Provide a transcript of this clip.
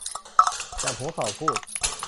จับหัวเข่าพูด